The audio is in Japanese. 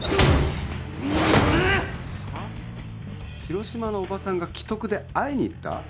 広島のおばさんが危篤で会いに行った？